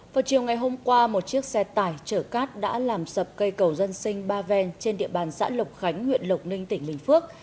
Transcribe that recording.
vào chiều ngày hôm qua một chiếc xe tải chở cát đã làm sập cây cầu dân sinh ba ven trên địa bàn xã lộc khánh huyện lộc ninh tỉnh bình phước